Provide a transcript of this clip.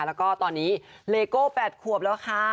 แล้วก็ตอนนี้เลโก้๘ขวบแล้วค่ะ